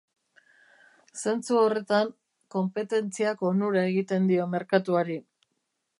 Zentzu horretan, konpetentziak onura egiten dio merkatuari.